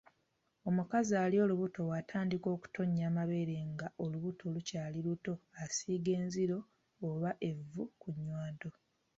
Omukazi ali olubuto bw'atandika okutonnya amabeere nga olubuto lukyali luto asiiga enziro oba evvu ku nnywanto.